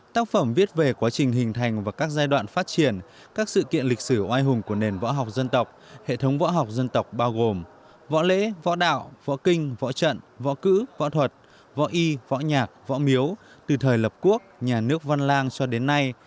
tác phẩm viết về quá trình hình thành và các giai đoạn phát triển các sự kiện lịch sử oai hùng của nền võ học dân tộc hệ thống võ học dân tộc bao gồm võ lễ võ đạo võ kinh võ trận võ cữ võ thuật võ y võ nhạc võ miếu từ thời lập quốc nhà nước văn lang cho đến nay